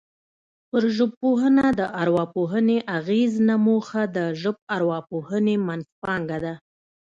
پر ژبپوهنه د ارواپوهنې اغېز نه موخه د ژبارواپوهنې منځپانګه ده